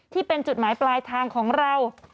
ที่เป็นจุดหมายปลายทางของเรา